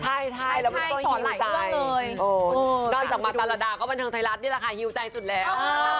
ใช่ใช่แล้วมันสอนหลายอย่างเลยนอกจากมาตรรดาก็บรรเทิงไทยรัฐนี่แหละค่ะหิวใจสุดแล้ว